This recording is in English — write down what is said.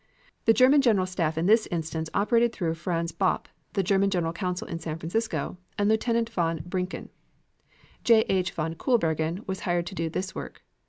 The German General Staff in this instance operated through Franz Bopp, the German consul general in San Francisco, and Lieutenant von Brincken. J. H. van Koolbergen was hired to do this work.